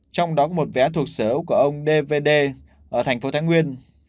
trong đó có một vé thuộc sở ốc của ông d v d ở thành phố thái nguyên